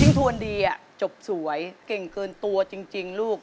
ทวนดีจบสวยเก่งเกินตัวจริงลูก